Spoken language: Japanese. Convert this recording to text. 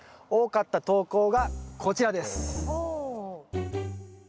多かった投稿がこちらです。